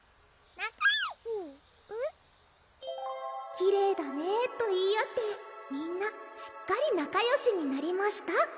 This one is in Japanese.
きれいだねぇと言い合ってみんなすっかりなかよしになりました